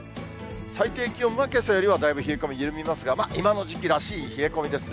最低気温はけさよりはだいぶ冷え込み緩みますが、今の時期らしい冷え込みですね。